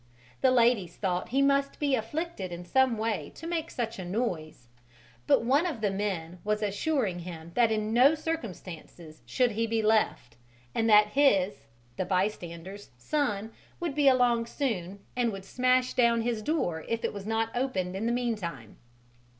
The ladies thought he must be afflicted in some way to make such a noise, but one of the men was assuring him that in no circumstances should he be left, and that his (the bystander's) son would be along soon and would smash down his door if it was not opened in the mean time.